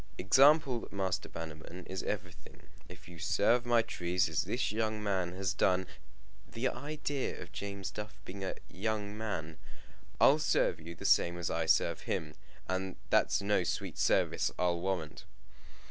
"Example, Master Bannerman, is everything. If you serve my trees as this young man has done " The idea of James Duff being a young man! " I'll serve you the same as I serve him and that's no sweet service, I'll warrant."